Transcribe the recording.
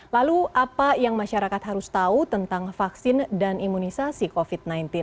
lalu apa yang masyarakat harus tahu tentang vaksin dan imunisasi covid sembilan belas